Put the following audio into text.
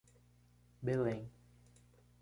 Belém